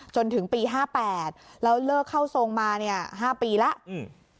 จนถึงปีห้าแปดแล้วเลิกเข้าทรงมาเนี่ยห้าปีแล้วอืม